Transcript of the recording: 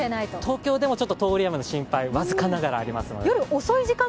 東京でもちょっと通り雨の心配、僅かながらあります。